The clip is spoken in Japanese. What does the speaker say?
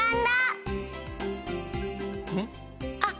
あっ！